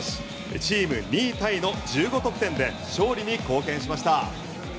チーム２位タイの１５得点で勝利に貢献しました。